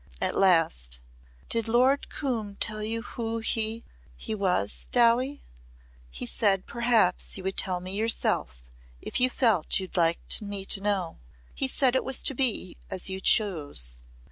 At last "Did Lord Coombe tell you who he was, Dowie?" "He said perhaps you would tell me yourself if you felt you'd like me to know. He said it was to be as you chose."